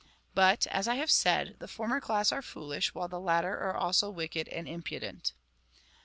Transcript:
But (as I have said) the former class are foolish, while the latter are also wicked and impudent.